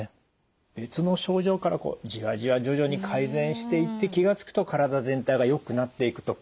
別の症状からじわじわ徐々に改善していって気が付くと体全体がよくなっていくと。